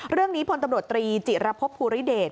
เรื่องนี้พลตำรวจตรีจิระพบภูริเดช